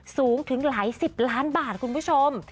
สูงถึงหลายสิบล้านบาทคุณผู้ชม